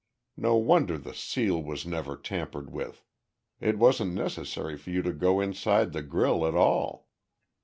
No wonder the seal was never tampered with. It wasn't necessary for you to go inside the grille at all.